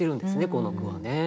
この句はね。